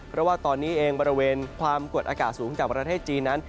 เพราะว่าตอนนี้เองบริเวณความกดอากาศสูงจากประเทศจีนนั้น